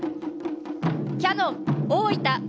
キヤノン・大分。